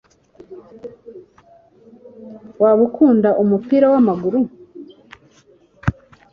waba ukunda umupira w'amaguru